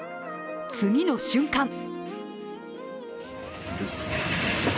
次の瞬間